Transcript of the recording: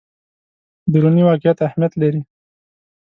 دروني واقعیت اهمیت لري.